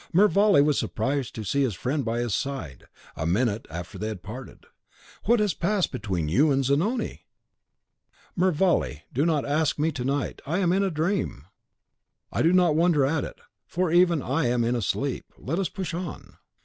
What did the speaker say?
Mervale was surprised to see his friend by his side, a minute after they had parted. "What has passed between you and Zanoni?" "Mervale, do not ask me to night! I am in a dream." "I do not wonder at it, for even I am in a sleep. Let us push on."